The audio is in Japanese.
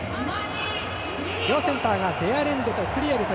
両センターがデアレンデとクリエル。